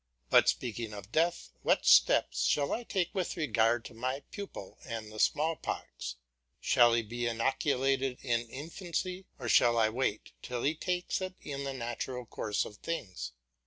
But speaking of death, what steps shall I take with regard to my pupil and the smallpox? Shall he be inoculated in infancy, or shall I wait till he takes it in the natural course of things?